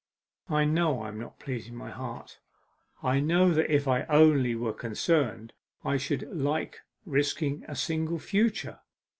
I know I am not pleasing my heart; I know that if I only were concerned, I should like risking a single future.